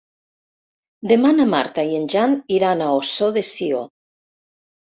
Demà na Marta i en Jan iran a Ossó de Sió.